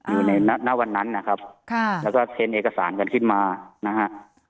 อยู่ในณวันนั้นนะครับค่ะแล้วก็เค้นเอกสารกันขึ้นมานะฮะ